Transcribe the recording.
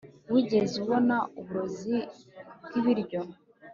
wigeze ubona uburozi bwibiryo